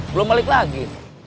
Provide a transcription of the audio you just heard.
belum balik lagi